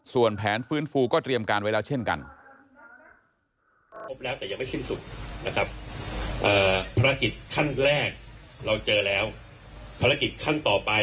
ส่วนแผนฟื้นฟูก็เตรียมการไว้แล้วเช่นกัน